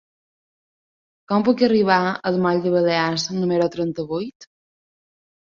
Com puc arribar al moll de Balears número trenta-vuit?